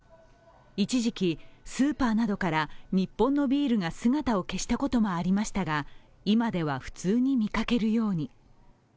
一時期、スーパーなどから日本のビールが姿を消したこともありましたが、今では普通に見かけるように。